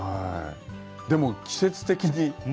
でも季節的に。